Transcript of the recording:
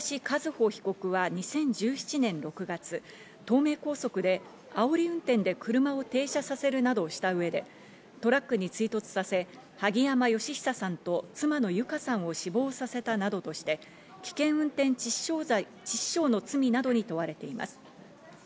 和歩被告は２０１７年６月、東名高速であおり運転で車を停車させるなどした上でトラックに追突させ、萩山嘉久さんと妻の友香さんを死亡させたなどとして、危険運転致死傷の罪などに問われています。